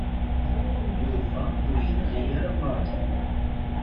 Yuba ur yenɣi ara Mary.